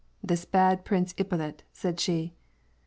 — this bad Prince Ippolit," said she.